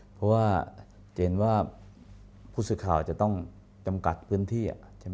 เพราะว่าเจนว่าผู้สึกข่าวจะต้องจำกัดพื้นที่